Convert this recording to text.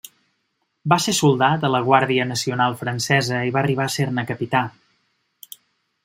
Va ser soldat a la Guàrdia Nacional francesa i va arribar a ser-ne capità.